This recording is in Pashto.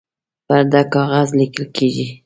پر ده کاغذ لیکل کیږي